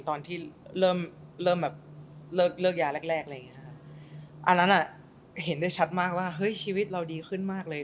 ตอนที่เริ่มเริ่มแบบเลิกเลิกยาแรกแรกอะไรอย่างเงี้ยค่ะอันนั้นอ่ะเห็นได้ชัดมากว่าเฮ้ยชีวิตเราดีขึ้นมากเลย